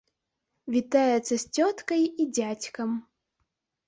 Вітаецца з цёткай і дзядзькам.